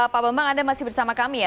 pak bambang anda masih bersama kami ya